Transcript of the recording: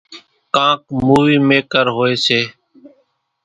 ڪانڪ مُووِي ميڪر هوئيَ سي۔